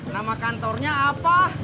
nama kantornya apa